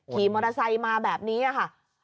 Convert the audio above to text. ขี่มอเตอร์ไซค์มาแบบนี้ค่ะ